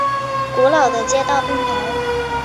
古老的街道并排。